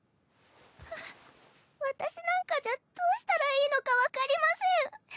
ああ私なんかじゃどうしたらいいのか分かりません。